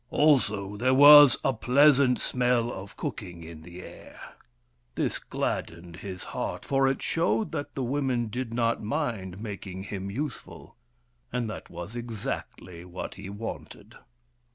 Also there was a plea sant smell of cooking in the air. This gladdened his heart, for it showed that the women did not mind making him useful, and that was exactly what he wanted.